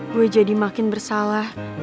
gue jadi makin bersalah